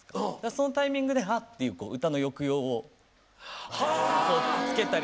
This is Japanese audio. そのタイミングで「ハッ！」っていう歌の抑揚をつけたりすることで。